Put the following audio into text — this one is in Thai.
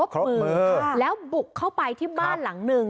แล้วบุกเข้าไปที่บ้านหลังหนึ่ง